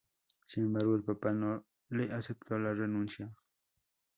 Sin embargo, el Papa no le aceptó la renuncia.